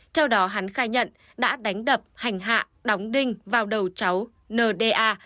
theo đó hắn khai nhận đã đánh đập hành hạ đóng đinh vào đầu cháu nda